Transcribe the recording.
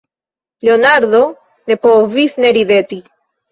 Leonardo ne povis ne rideti.